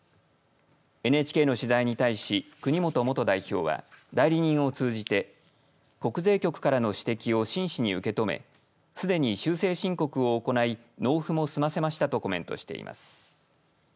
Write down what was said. ＮＨＫの取材に対し国本元代表は代理人を通じて国税局からの指摘を真しに受け止めすでに修正申告を行い納付も済ませましたとコメントしています。